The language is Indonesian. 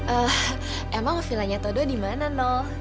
ehh emang vilanya todo dimana nol